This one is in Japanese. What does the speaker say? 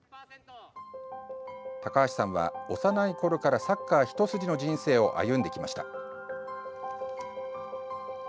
高橋さんは幼いころからサッカーひと筋の人生を歩んできました。